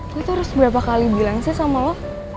gue tuh harus berapa kali bilang sih sama lo